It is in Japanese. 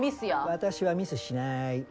私はミスしない。